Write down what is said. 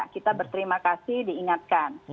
kita berterima kasih diingatkan